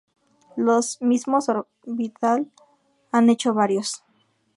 Los mismos Orbital han hecho varios.